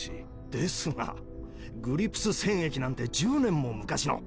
ですがグリプス戦役なんて１０年も昔の。